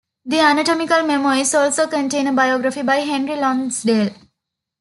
The "Anatomical Memoirs" also contain a biography by Henry Lonsdale.